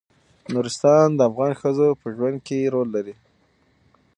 نورستان د افغان ښځو په ژوند کې رول لري.